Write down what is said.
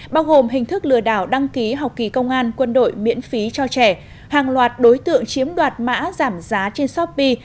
bao gồm hình thức lừa đảo đăng ký học kỳ công an quân đội miễn phí cho trẻ hàng loạt đối tượng chiếm đoạt mã giảm giá trên shopee